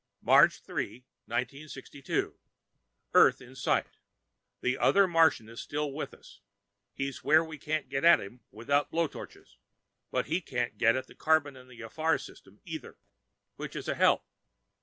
March 3, 1962 Earth in sight. The other Martian is still with us. He's where we can't get at him without blow torches, but he can't get at the carbon in the AFAR system, either, which is a help.